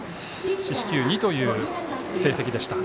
四死球２という成績でした。